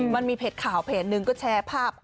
มันมีเพจข่าวเพจหนึ่งก็แชร์ภาพ